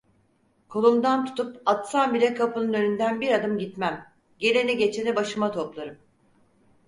Kolumdan tutup atsan bile kapının önünden bir adım gitmem, geleni geçeni başıma toplarım.